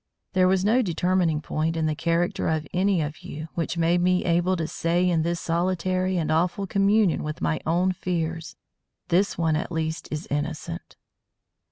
There was no determining point in the character of any of you which made me able to say in this solitary and awful communion with my own fears, "This one at least is innocent!"